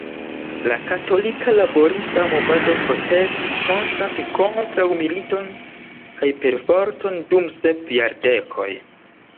La Katolika Laborista Movado protestis konstante kontraŭ militon kaj perforton dum sep jardekoj.